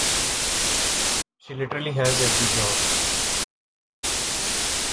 She literally has every job.